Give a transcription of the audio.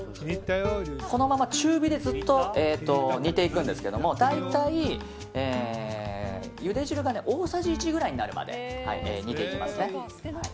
このまま中火でずっと煮ていくんですけども大体、ゆで汁が大さじ１ぐらいになるまで煮ていきますね。